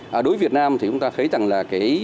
đối với việt nam thì chúng ta thấy rằng là